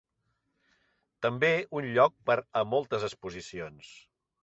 També un lloc per a moltes exposicions.